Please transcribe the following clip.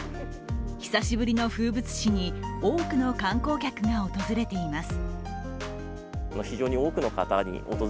久しぶりの風物詩に、多くの観光客が訪れています。